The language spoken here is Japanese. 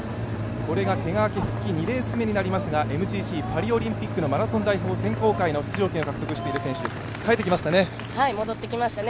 これがけが明け復帰２レース目になりますがＭＧＣパリオリンピックのマラソン代表選考会の出場権を獲得している選手です、帰ってきましたね。